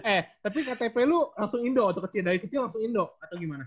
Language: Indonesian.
eh tapi ktp lu langsung indo waktu kecil dari kecil langsung indok atau gimana